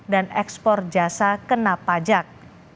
dan ekspor jasa kena pajak